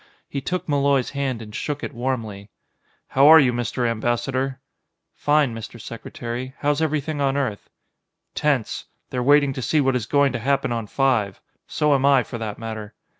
He took Malloy's hand and shook it warmly. "How are you, Mr. Ambassador?" "Fine, Mr. Secretary. How's everything on Earth?" "Tense. They're waiting to see what is going to happen on Five. So am I, for that matter."